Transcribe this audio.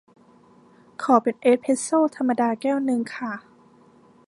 ขอเป็นเอสเพรสโซธรรมดาแก้วนึงค่ะ